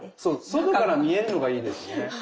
外から見えるのがいいですね。